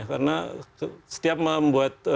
karena setiap membuat